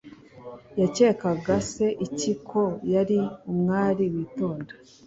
Yakekaga se iki ko yari umwari witonda?